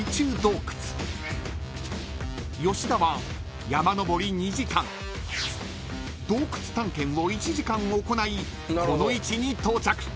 ［吉田は山登り２時間洞窟探検を１時間行いこの位置に到着］